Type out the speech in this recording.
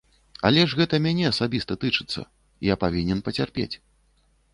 Але гэта ж мяне асабіста тычыцца, я павінен пацярпець.